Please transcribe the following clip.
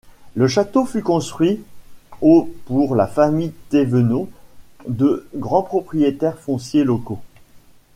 Le château fut construit au pour la famille Thévenot, de grands propriétaires fonciers locaux.